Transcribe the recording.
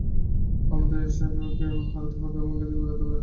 আমাদের শাওহেইকে হারাতে হবে এবং এখান থেকে বের হতে হবে।